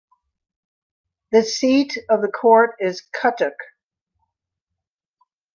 The seat of the court is Cuttack.